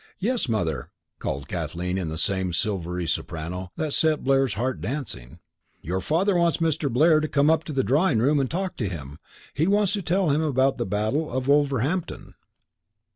"Yes, Mother," called Kathleen in the same silvery soprano that set Blair's heart dancing. "Your father wants Mr. Blair to come up to the drawing room and talk to him. He wants to tell him about the Battle of Wolverhampton."